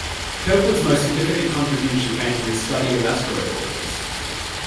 Kirkwood's most significant contribution came from his study of asteroid orbits.